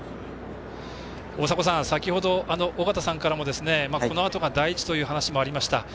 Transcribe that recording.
大迫さん、先ほど尾方さんからもこのあとが大事という話もありました。